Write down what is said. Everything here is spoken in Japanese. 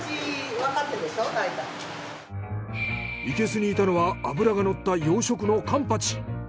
いけすにいたのは脂がのった養殖のカンパチ。